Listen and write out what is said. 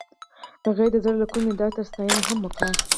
هغې د زړه له کومې د عطر ستاینه هم وکړه.